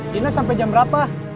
dina sampai jam berapa